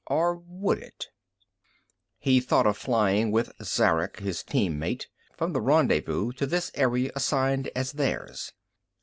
Or would it? He thought of flying with Zarek, his team mate, from the rendezvous to this area assigned as theirs.